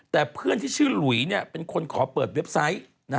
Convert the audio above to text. แต่เพื่อนที่ชื่อหลุยเป็นคนขอเปิดเว็บไซต์